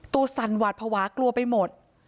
สั่นหวาดภาวะกลัวไปหมด